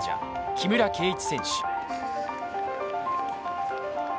木村敬一選手